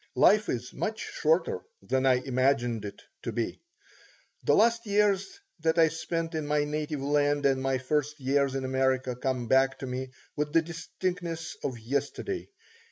Life is much shorter than I imagined it to be. The last years that I spent in my native land and my first years in America come back to me with the distinctness of yesterday.